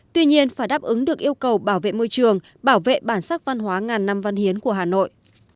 tuy nhiên phải đáp ứng được yêu cầu bảo vệ môi trường bảo vệ bản sắc văn hóa ngàn năm văn hiến của hà nội